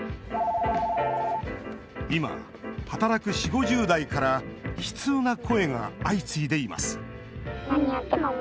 今、働く４０５０代から悲痛な声が相次いでいます